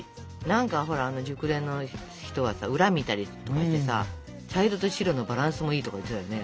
何かあの熟練の人はさ裏見たりとかしてさ茶色と白のバランスもいいとか言ってたよね？